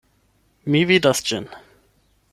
Mi vidas ĝin!